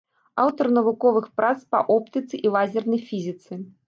Аўтар навуковых прац па оптыцы і лазернай фізіцы.